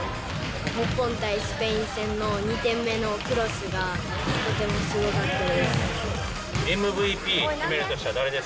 日本対スペイン戦の２点目のクロスがとてもすごかったです。